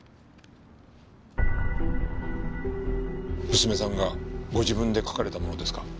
娘さんがご自分で書かれたものですか？